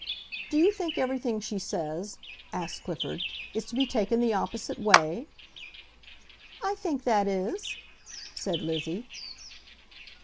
"Do you think everything she says," asked Clifford, "is to be taken the opposite way?" "I think that is!" said Lizzie.